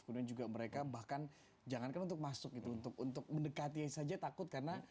kemudian juga mereka bahkan jangankan untuk masuk gitu untuk mendekati saja takut karena